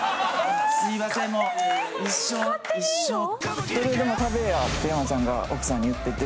「どれでも食べや」って山ちゃんが奥さんに言ってて。